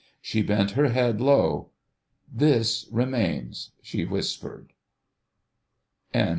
She bent her head low— "This remains," she whispered. *XIII.